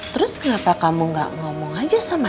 terus kenapa kamu gak ngomong aja sama